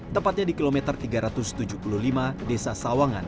tepatnya di kilometer tiga ratus tujuh puluh lima desa sawangan